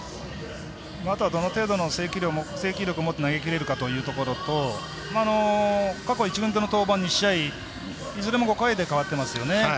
あとどの程度の制球力を持って投げきれるかというところと過去１軍での登板２試合いずれも５回で代わってますよね。